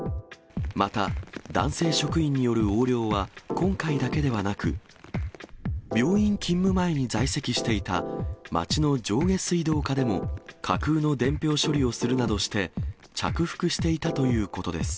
また、男性職員による横領は、今回だけではなく、病院勤務前に在籍していた町の上下水道課でも、架空の伝票処理をするなどして、着服していたということです。